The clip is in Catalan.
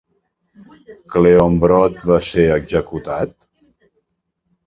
Cleombrot va ser executat?